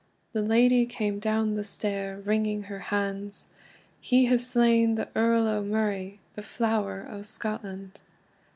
The lady came down the stair, wringing her hands: "He has slain the Earl o Murray, the flower o Scotland."